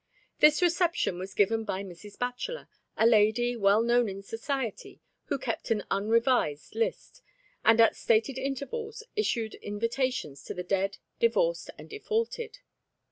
This reception was given by Mrs. Bachelor, a lady, well known in society, who kept an unrevised list, and at stated intervals issued invitations to the dead, divorced and defaulted.